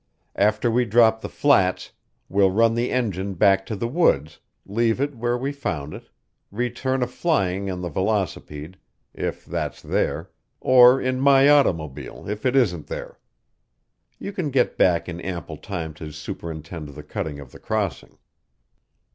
After we drop the flats, we'll run the engine back to the woods, leave it where we found it, return a flying on the velocipede, if it's there, or in my automobile, if it isn't there. You can get back in ample time to superintend the cutting of the crossing!"